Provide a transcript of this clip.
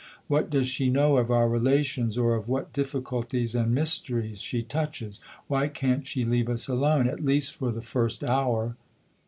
What does she know of our relations or of what difficulties and mysteries she touches ? Why can't she leave us alone at least for the first hour?"